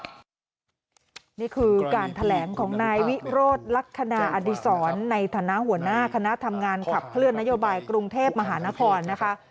นี่คือการแถลงของนายวิโรธลักษณะอดีศรในฐานะหัวหน้าคณะทำงานขับเคลื่อนนโยบายกรุงเทพมหานครนะคะ